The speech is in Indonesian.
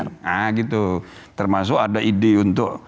nah gitu termasuk ada ide untuk